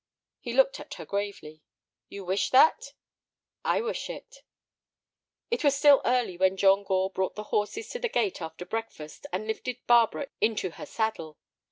He looked at her gravely. "You wish that?" "I wish it." It was still early when John Gore brought the horses to the gate after breakfast and lifted Barbara into her saddle.